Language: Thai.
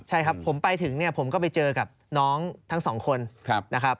ใช่ครับผมไปถึงเนี่ยผมก็ไปเจอกับน้องทั้งสองคนนะครับ